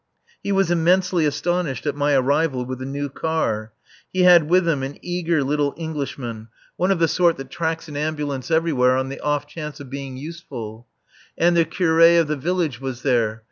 He was immensely astonished at my arrival with the new car. He had with him an eager little Englishman, one of the sort that tracks an ambulance everywhere on the off chance of being useful. And the Curé of the village was there.